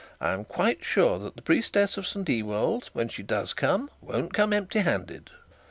I am quite sure that the priestess of St Ewold, when she does come, won't come empty handed.'